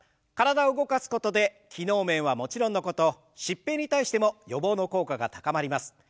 体を動かすことで機能面はもちろんのこと疾病に対しても予防の効果が高まります。